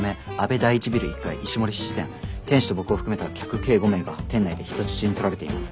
店主と僕を含めた客計５名が店内で人質にとられています。